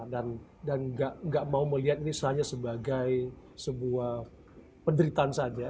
dan gak mau melihat ini hanya sebagai sebuah penderitaan saja